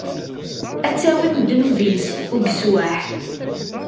Ad tawim ddnub-is, ugeswaḥ.